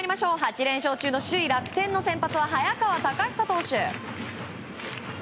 ８連勝中の首位、楽天は早川隆久投手。